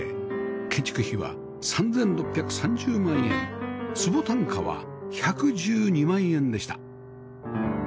建築費は３６３０万円坪単価は１１２万円でした